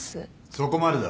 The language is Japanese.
そこまでだ。